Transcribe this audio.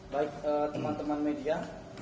baik teman teman media